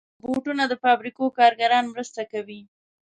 روبوټونه د فابریکو کارګران مرسته کوي.